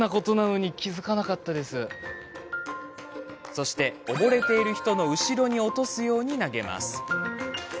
そして溺れている人の後ろに落とすように投げます。